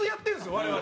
我々。